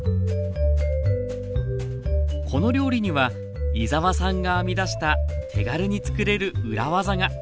この料理には井澤さんが編み出した手軽につくれる裏技が。